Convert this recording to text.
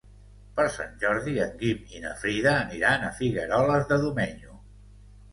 Per Sant Jordi en Guim i na Frida aniran a Figueroles de Domenyo.